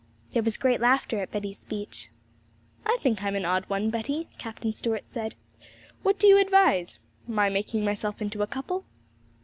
There was great laughter at Betty's speech. 'I think I'm an odd one, Betty,' Captain Stuart said. 'What do you advise? My making myself into a couple?'